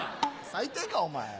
最低かお前。